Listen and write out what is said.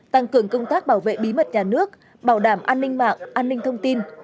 tăng cường công tác bảo vệ bí mật nhà nước bảo đảm an ninh mạng an ninh thông tin